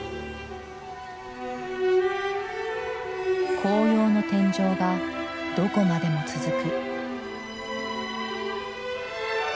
紅葉の天井がどこまでも続く。